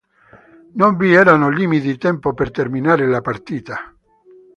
Non vi erano limiti di tempo per terminare la partita.